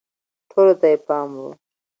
ټولو ته یې پام و